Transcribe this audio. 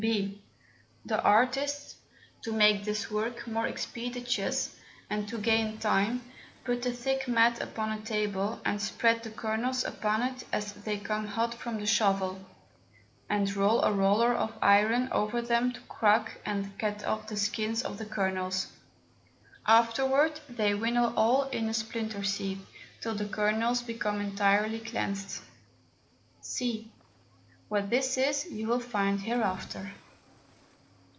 [b] The Artists, to make this Work more expeditious, and to gain time, put a thick Mat upon a Table, and spread the Kernels upon it as they come hot from the Shovel, and roll a Roller of Iron over them to crack and get off the Skins of the Kernels; afterward they winnow all in a splinter Sieve, till the Kernels become entirely cleansed. [c] What this is, you will find hereafter.